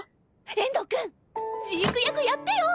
遠藤くんジーク役やってよ！